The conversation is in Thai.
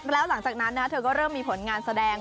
แล้วหลังจากนั้นเธอก็เริ่มมีผลงานแสดง